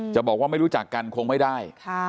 จะบอกว่าไม่รู้จักกันคงไม่ได้